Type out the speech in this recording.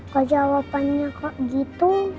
kalau jawabannya kok gitu